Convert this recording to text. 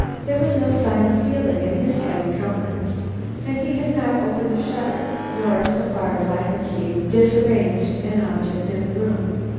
There was no sign of feeling in his heavy countenance, and he had not opened a shutter, nor, so far as I could see, disarranged an object in the room.